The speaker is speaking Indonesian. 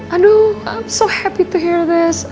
aku senang sekali dengar ini